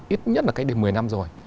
ít nhất là cách đến một mươi năm rồi